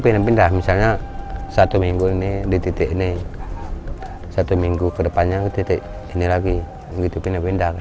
pindah pindah misalnya satu minggu ini di titik ini satu minggu ke depan